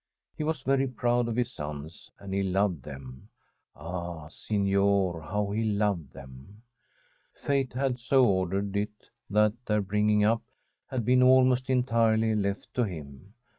He was very proud 6f his sons, and he loved them — ah, signor, how he loved them ! Fate had so ordered it that their bringing up had been almost entirely left to him.